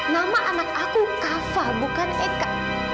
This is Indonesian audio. nama anak aku kava bukan eka